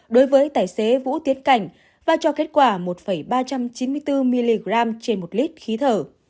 đối với tài xế vũ tiến cảnh và cho kết quả một ba trăm chín mươi bốn mg trên một lít khí thở